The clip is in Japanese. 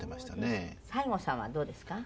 西郷さんはどうですか？